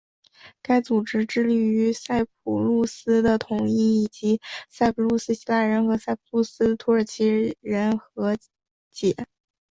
该组织致力于塞浦路斯的统一以及塞浦路斯希腊人和塞浦路斯土耳其人的和解。